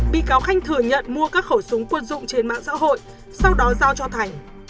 bị cáo khanh thừa nhận mua các khẩu súng quân dụng trên mạng xã hội sau đó giao cho thành